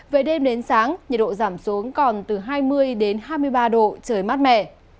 về đêm đến sáng nhiệt độ giảm xuống còn từ hai mươi đến hai mươi ba độ trời mát mẻ